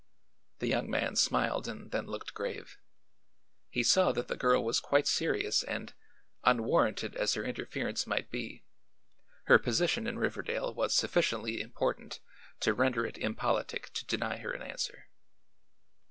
The young man smiled and then looked grave. He saw that the girl was quite serious and, unwarranted as her interference might be, her position in Riverdale was sufficiently important to render it impolitic to deny her an answer.